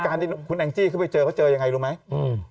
ที่คุณแองจี้เข้าไปเจอเขาเจอยังไงรู้ไหมอืม